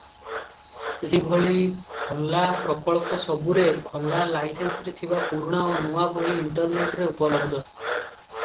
ସେହିଭଳି ଖୋଲା ପ୍ରକଳ୍ପସବୁରେ ଖୋଲା-ଲାଇସେନ୍ସରେ ଥିବା ପୁରୁଣା ଓ ନୂଆ ବହି ଇଣ୍ଟରନେଟରେ ଉପଲବ୍ଧ ।